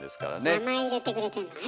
名前入れてくれてんのね。